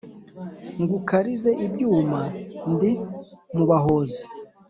Ngukarize ibyuma ndi mu bahozi.